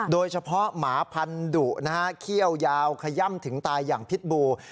โดยเฉพาะหมาพันดุนะฮะเคี้ยวยาวขย่ำถึงตายอย่างพิษบูรณ์